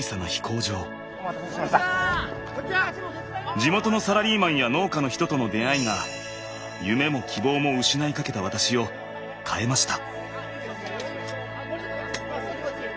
地元のサラリーマンや農家の人との出会いが夢も希望も失いかけた私を変えました。